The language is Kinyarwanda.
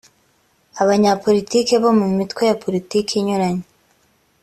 abanyapolitiki bo mu mitwe ya politiki inyuranye